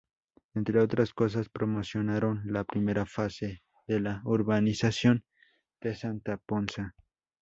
Entre otras cosas promocionaron la primera fase de la urbanización de Santa Ponsa.